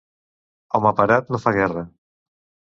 Home parat no fa guerra.